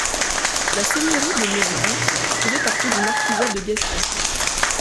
La seigneurie de Méritein faisait partie du marquisat de Gassion.